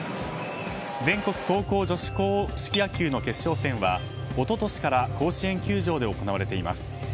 全国高校女子硬式野球の決勝戦は一昨年から甲子園球場で行われています。